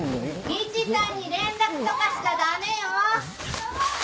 みちさんに連絡とかしちゃ駄目よ。